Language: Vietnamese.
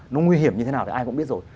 nó nguy hiểm như thế nào thì ai cũng biết rồi